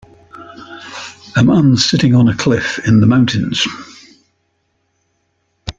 A man sitting on a cliff in the mountains.